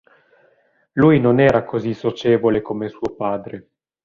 Lui non era così socievole come suo padre.